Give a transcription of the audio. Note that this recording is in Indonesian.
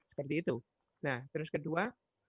seperti itu nah terus kedua